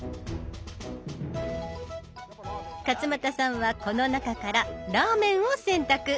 勝俣さんはこの中から「ラーメン」を選択。